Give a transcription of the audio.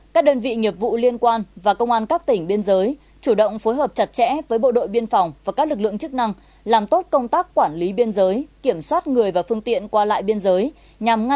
sáu các đơn vị nghiệp vụ liên quan và công an các tỉnh biên giới chủ động phối hợp chặt chẽ với bộ đội biên phòng và các lực lượng chức năng làm tốt công tác quản lý biên phòng